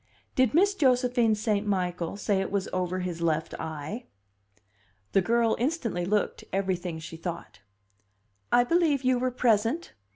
"Did Miss Josephine St. Michael say it was over his left eye?" The girl instantly looked everything she thought. "I believe you were present!"